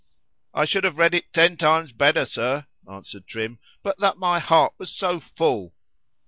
I should have read it ten times better, Sir, answered Trim, but that my heart was so full.